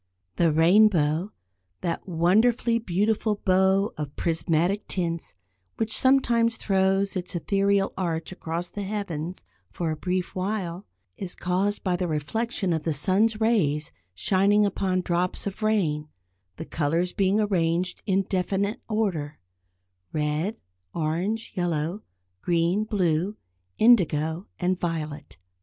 The rainbow, that wonderfully beautiful bow of prismatic tints, which sometimes throws its ethereal arch across the heavens for a brief while, is caused by the reflection of the sun's rays shining upon drops of rain, the colours being arranged in definite order; red, orange, yellow, green, blue, indigo and violet.